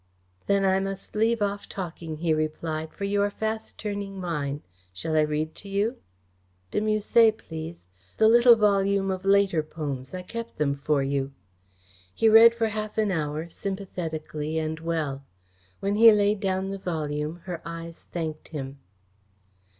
"Then I must leave off talking," he replied, "for you are fast turning mine. Shall I read to you?" "De Musset, please. The little volume of later poems. I kept them for you." He read for half an hour, sympathetically and well. When he laid down the volume her eyes thanked him.